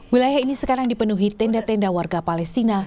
wilayah ini sekarang dipenuhi tenda tenda warga palestina